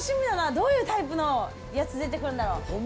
どういうタイプの出るんだろう？